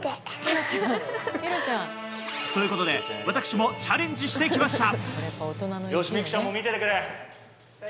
ということで私もチャレンジしてきました。